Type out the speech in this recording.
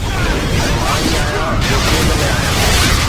مان ئي آهيان جو قيد ۾ آهيان